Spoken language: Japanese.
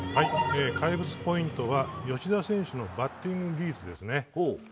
怪物ポイントは吉田選手のバッティング技術ですね。